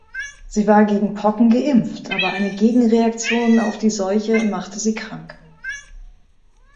Sie war gegen Pocken geimpft, aber eine Gegenreaktion auf die Seuche machte sie krank.